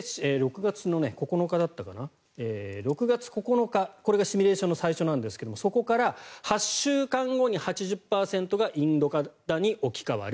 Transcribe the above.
６月９日これがシミュレーションの最初なんですがそこから８週間後に８０％がインド型に置き換わる。